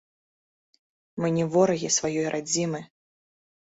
Мы не ворагі сваёй радзімы.